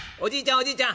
おじいちゃん